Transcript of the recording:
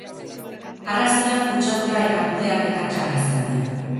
Arrazoiak kutsadura eta kudeaketa txarra izan dira.